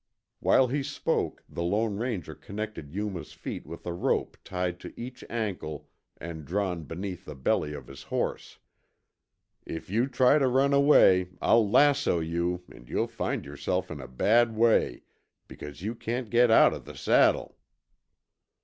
While he spoke, the Lone Ranger connected Yuma's feet with a rope tied to each ankle and drawn beneath the belly of his horse. "If you try to run away, I'll lasso you and you'll find yourself in a bad way, because you can't get out of the saddle."